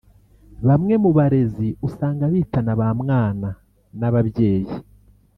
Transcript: Bamwe mu barezi usanga bitana ba mwana n’ababyeyi